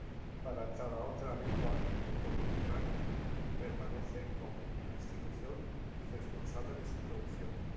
Para cada otra lengua el copyright permanece con la institución responsable de su producción.